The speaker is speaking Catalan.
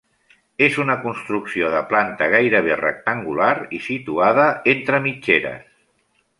És una construcció de planta gairebé rectangular i situada entre mitgeres.